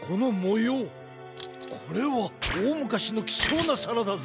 これはおおむかしのきちょうなさらだぜ。